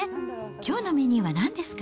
きょうのメニューはなんですか。